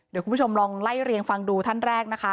เดี๋ยวคุณผู้ชมลองไล่เรียงฟังดูท่านแรกนะคะ